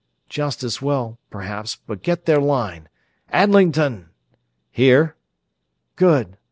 "Just as well, perhaps, but get their line. Adlington!" "Here!" "Good!